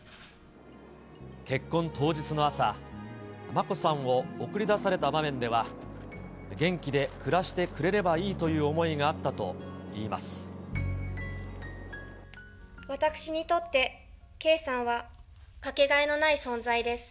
結婚当日の朝、眞子さんを送り出された場面では、元気で暮らしてくれればいいとい私にとって圭さんは掛けがえのない存在です。